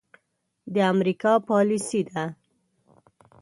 د امريکا پاليسي ده.